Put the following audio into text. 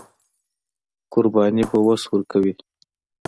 قرباني به اوس ورکوي.